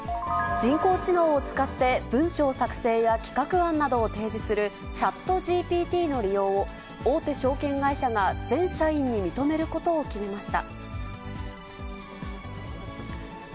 人工知能を使って、文章作成や企画案などを提示するＣｈａｔＧＰＴの利用を、大手証券会社が全社員に認めることを決めました。